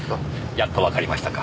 やっとわかりましたか。